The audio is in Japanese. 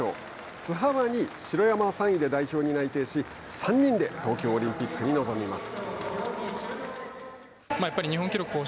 津波は城山は３位で代表に内定し３人で東京オリンピックに臨みます。